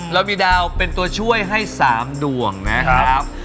เรามีดาวเป็นตัวช่วยให้๓ดวงนะครับ